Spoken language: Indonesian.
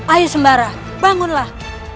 ayo sembara bangunlah